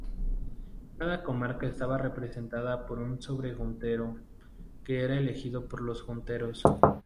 Cada comarca estaba representada por un sobre-juntero que era elegido por los junteros.